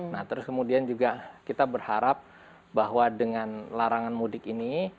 nah terus kemudian juga kita berharap bahwa dengan larangan mudik ini